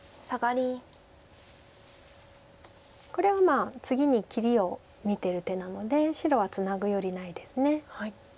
これは次に切りを見てる手なので白はツナぐよりないです。